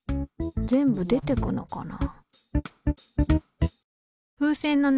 全部出てくのかな